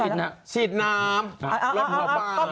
คุณไม่บอกให้ช่วยคนละมือคนละมือ